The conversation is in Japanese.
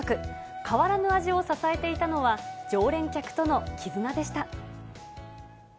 変わらぬ味を支えていたのは、常連客との絆でした。